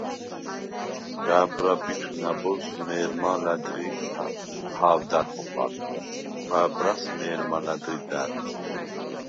ჟა̄ბრა ბიქვს ნა̈ბოზს მე̄რმა ლა̈დღი ჰა̄ვდა̈რ ხოხალ, ჩვა̄ბრას − მე̄რმა ლა̈დღი და̄̈რ.